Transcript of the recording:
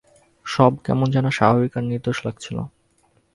সব কেমন যেন স্বাভাবিক আর নির্দোষ লাগছিল।